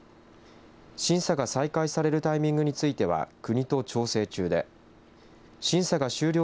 審査が再開されるタイミングについては国と調整中で審査が終了